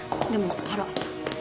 でもほら。